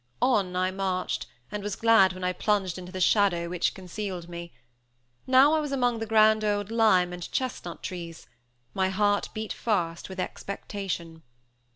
On I marched, and was glad when I plunged into the shadow which concealed me. Now I was among the grand old lime and chestnut trees my heart beat fast with expectation.